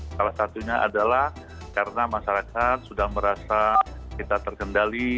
salah satunya adalah karena masyarakat sudah merasa kita terkendali